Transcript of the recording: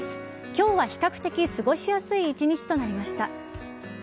今日は比較的過ごしやすい一日となりました。